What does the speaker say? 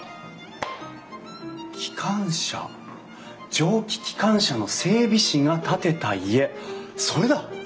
蒸気機関車の整備士が建てた家それだ！